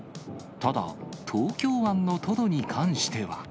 ただ、東京湾のトドに関しては。